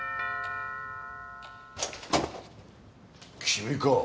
君か。